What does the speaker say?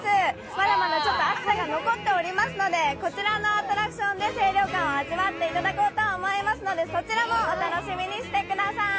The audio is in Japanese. まだまだ暑さが残っておりますのでこちらのアトラクションで清涼感を味わっていただこうと思いますのでそちらもお楽しみにしてくださーい。